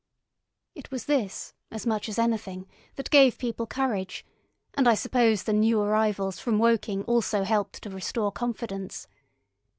It was this, as much as anything, that gave people courage, and I suppose the new arrivals from Woking also helped to restore confidence.